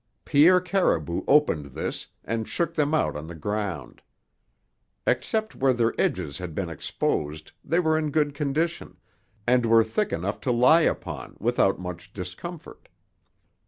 Pierre Caribou opened this and shook them out on the ground. Except where their edges had been exposed, they were in good condition, and were thick enough to lie upon without much discomfort.